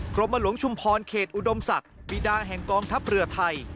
กรมหลวงชุมพรเขตอุดมศักดิ์บีดาแห่งกองทัพเรือไทย